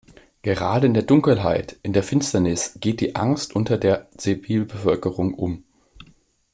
Gerade in der Dunkelheit, in der Finsternis geht die Angst unter der Zivilbevölkerung um.